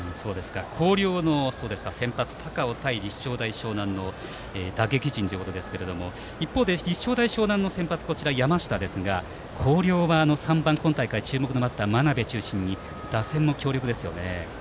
広陵の先発高尾対立正大淞南の打撃陣ということですが一方で立正大淞南の先発は山下ですが、広陵は今大会注目のバッター真鍋中心に打線も強力ですよね。